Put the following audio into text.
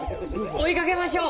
追いかけましょう！